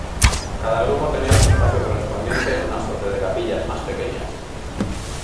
Cada grupo tenía su espacio correspondiente en una suerte de capillas más pequeñas.